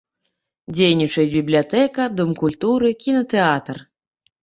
Дзейнічаюць бібліятэка, дом культуры, кінатэатр.